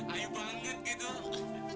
ayu banget gitu